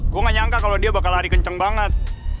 gue gak nyangka kalau dia bakal lari kenceng banget